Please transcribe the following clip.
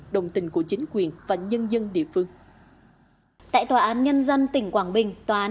đồng tình của chính quyền và nhân dân địa phương tại tòa án nhân dân tỉnh quảng bình tòa án